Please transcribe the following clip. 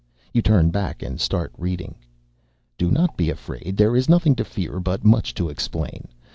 You turn back and start reading. "Do not be afraid. There is nothing to fear, but much to explain.